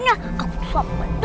ya ama sesuatu